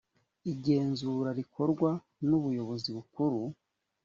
igenzura rikorwa n ubuyobozi bukuru